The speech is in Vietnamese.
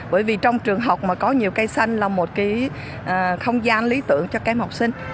bởi vì trong trường học mà có nhiều cây xanh là một cái không gian lý tưởng cho các em học sinh